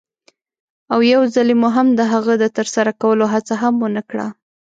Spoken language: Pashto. او یوځلې مو هم د هغه د ترسره کولو هڅه هم ونه کړه.